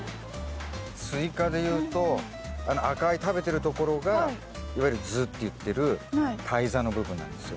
スイカでいうとあの赤い食べてるところがいわゆる「ず」って言ってる胎座の部分なんですよ。